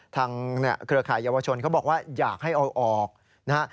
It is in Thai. เครือข่ายเยาวชนเขาบอกว่าอยากให้เอาออกนะฮะ